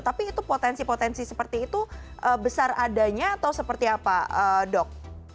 tapi itu potensi potensi seperti itu besar adanya atau seperti apa dok